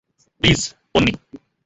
Please, Ponni.